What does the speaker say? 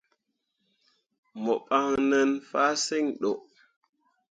Mo ɓan nen fahsǝŋ ɗo.